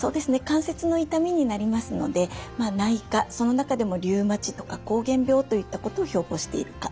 関節の痛みになりますので内科その中でもリウマチとか膠原病といったことを標ぼうしている科